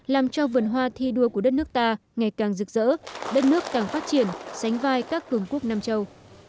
làm cho vườn hoa thi đua của đất nước ta ngày càng rực rỡ đất nước càng phát triển sánh vai các cường quốc nam châu